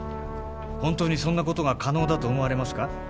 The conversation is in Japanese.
本当にそんなことが可能だと思われますか？